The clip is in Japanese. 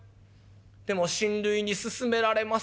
「でも親類に勧められます」。